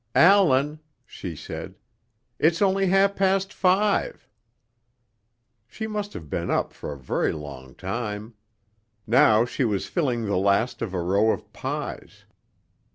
"Allan," she said, "it's only half past five." She must have been up for a very long time. Now she was filling the last of a row of pies.